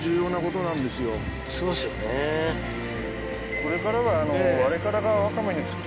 これからは。